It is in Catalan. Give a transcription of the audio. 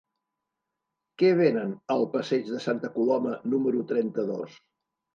Què venen al passeig de Santa Coloma número trenta-dos?